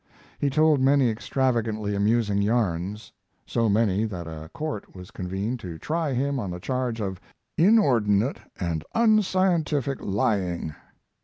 He told many extravagantly amusing yarns; so many that a court was convened to try him on the charge of "inordinate and unscientific lying."